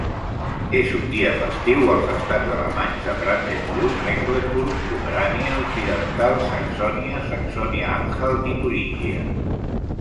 És un dia festiu als estats alemanys de Brandenburg, Mecklenburg-Pomerània Occidental, Saxònia, Saxònia-Anhalt i Turíngia.